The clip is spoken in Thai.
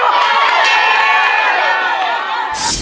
เย้